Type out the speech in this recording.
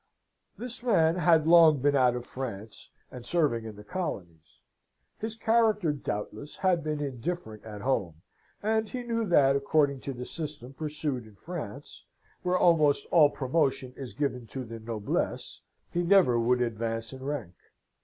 "This man had long been out of France, and serving in the colonies. His character, doubtless, had been indifferent at home; and he knew that, according to the system pursued in France, where almost all promotion is given to the noblesse, he never would advance in rank.